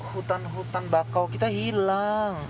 hutan hutan bakau kita hilang